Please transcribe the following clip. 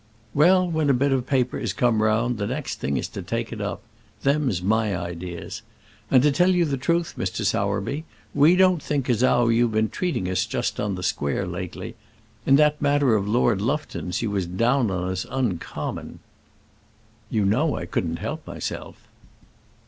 "Well; when a bit of paper is come round, the next thing is to take it up. Them's my ideas. And to tell you the truth, Mr. Sowerby, we don't think as 'ow you've been treating us just on the square lately. In that matter of Lord Lufton's you was down on us uncommon." "You know I couldn't help myself."